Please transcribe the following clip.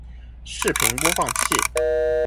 视频播放器